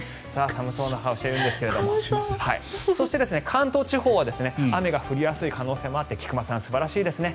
寒そうな顔をしていますがそして関東地方は雨が降りやすい可能性もあって菊間さん、素晴らしいですね。